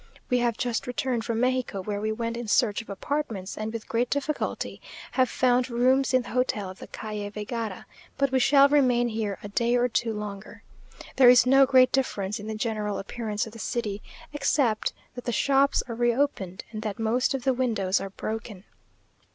We have just returned from Mexico, where we went in search of apartments, and with great difficulty have found rooms in the hotel of the Calle Vegara; but we shall remain here a day or two longer. There is no great difference in the general appearance of the city, except that the shops are reopened, and that most of the windows are broken.